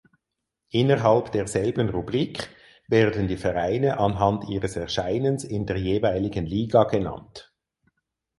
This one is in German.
Innerhalb derselben Rubrik werden die Vereine anhand ihres Erscheinens in der jeweiligen Liga genannt.